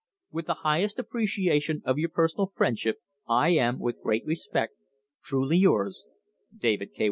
With the highest appreciation of your personal friendship, I am, with great respect, Truly yours, DAVID K.